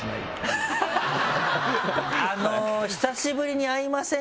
久しぶりに会いませんか？